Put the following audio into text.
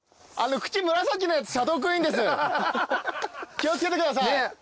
気を付けてください。